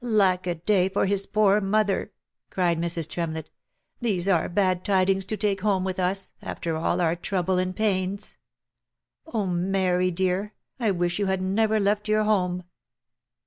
" Lack a day for his poor mother !" cried Mrs. Tremlett, u these are bad tidings to take home with us, after all our trouble and pains. Oh, Mary, dear, I wish you had never left your home